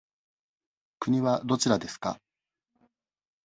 国はどちらですか。